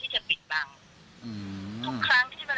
เขาไม่เคยมีอะไรที่จะปิดบัง